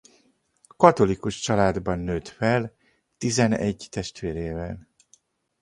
Katolikus családban nőtt fel tizenegy testvérével.